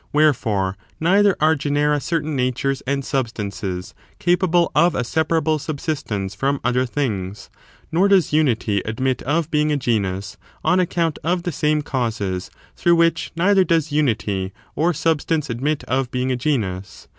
Wherefore, neither are genera certain natures and substances capable of a separable subsistence from other things, nor does unity admit of being a genus, on account of the same causes, through which neither does unity or substance admit of being a genus.